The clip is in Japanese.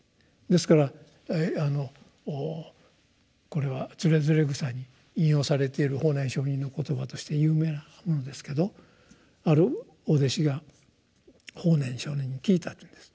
ですからこれは「徒然草」に引用されている法然上人の言葉として有名なものですけどあるお弟子が法然上人に聞いたというんです。